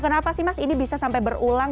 kenapa sih mas ini bisa sampai berulang